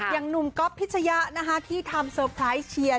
อย่างหนุ่มก๊อฟพิชยะนะคะที่ทำเซอร์ไพรส์เชียร์